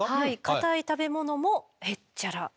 硬い食べ物もへっちゃら。